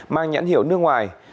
mang nhãn hiểu nước ngoài